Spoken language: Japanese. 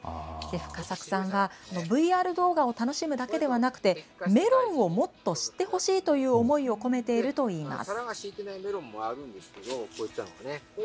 深作さんは、ＶＲ動画を楽しむだけではなくて、メロンをもっと知ってほしいという思いを込めているといいます。